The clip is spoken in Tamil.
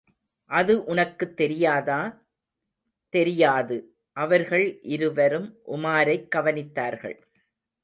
அது உனக்குத் தெரியாதா? தெரியாது! அவர்கள் இருவரும் உமாரைக் கவனித்தார்கள்.